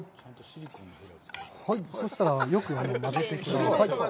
そうしたらよくまぜてください。